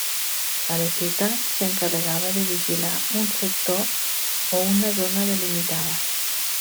A les ciutats s'encarregava de vigilar un sector o una zona delimitada.